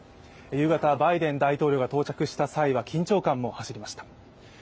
夕方、バイデン大統領が到着した際は緊張感も走りました。